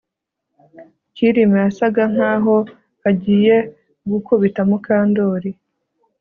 Kirima yasaga nkaho agiye gukubita Mukandoli